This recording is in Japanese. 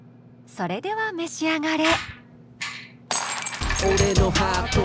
それでは召し上がれ。